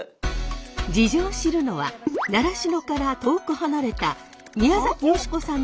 事情を知るのは習志野から遠く離れた宮崎美子さんのふるさと